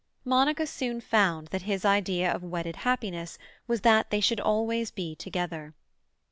Monica soon found that his idea of wedded happiness was that they should always be together.